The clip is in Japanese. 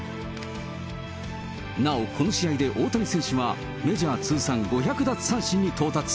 なおこの試合で大谷選手は、メジャー通算５００奪三振に到達。